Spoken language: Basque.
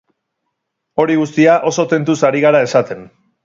Hori guztia, oso tentuz ari gara esaten.